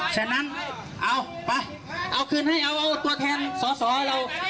ฉะนั้นเอาไปเอาคืนให้เอาตัวแทนสอสอเรา